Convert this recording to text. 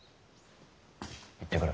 行ってくる。